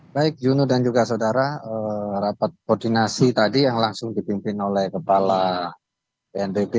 baik yunu dan juga saudara rapat koordinasi tadi yang langsung dipimpin oleh kepala bnpb